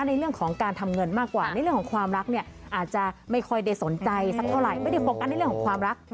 ในเรื่องของการทำเงินมากกว่าในเรื่องของความรักเนี่ยอาจจะไม่ค่อยได้สนใจสักเท่าไหร่ไม่ได้โฟกัสในเรื่องของความรัก